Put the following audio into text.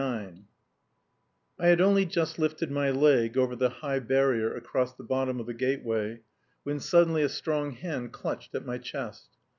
IX I had only just lifted my leg over the high barrier across the bottom of the gateway, when suddenly a strong hand clutched at my chest.